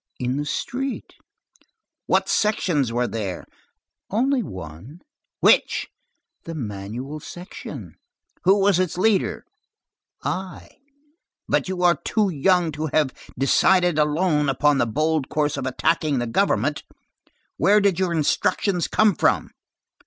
"In the street." "What sections were there?" "Only one." "Which?" "The Manuel section." "Who was its leader?" "I." "You are too young to have decided alone upon the bold course of attacking the government. Where did your instructions come from?"